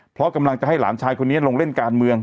เพราะกำลังจะให้หลานชายคนนี้ลงเล่นการเมือง